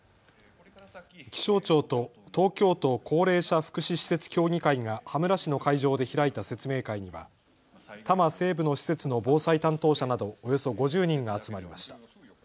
気象庁と東京都高齢者福祉施設協議会が羽村市の会場で開いた説明会には多摩西部の施設の防災担当者などおよそ５０人が集まりました。